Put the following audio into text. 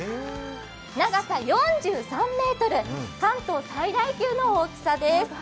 長さ４３ｍ、関東最大級の大きさです。